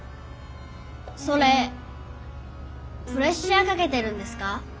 それプレッシャーかけてるんですか？